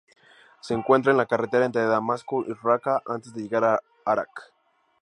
Se encuentra en la carretera entre Damasco y Raqa, antes de llegar a Arak".